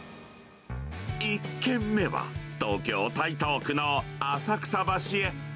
１軒目は、東京・台東区の浅草橋へ。